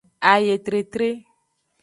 Ayetretre.